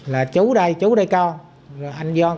là chú đây chú đây con